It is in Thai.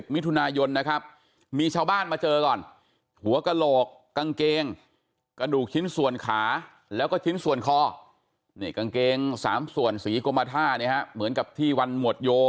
มิถุนายนนะครับมีชาวบ้านมาเจอก่อนหัวกระโหลกกางเกงกระดูกชิ้นส่วนขาแล้วก็ชิ้นส่วนคอนี่กางเกง๓ส่วนสีกรมท่าเนี่ยฮะเหมือนกับที่วันหมวดโย